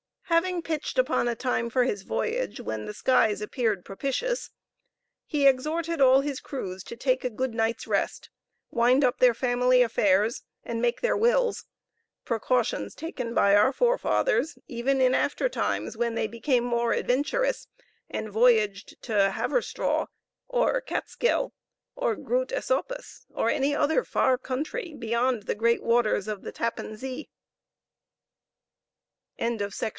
Having pitched upon a time for his voyage, when the skies appeared propitious, he exhorted all his crews to take a good night's rest, wind up their family affairs, and make their wills; precautions taken by our forefathers, even in after times when they became more adventurous, and voyaged to Haverstraw, or Kaatskill, or Groodt Esopus, or any other far country, beyond the great waters of the Tappen Zee.